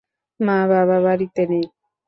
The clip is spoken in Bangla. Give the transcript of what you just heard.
মা-বাবা বাড়িতে নেই।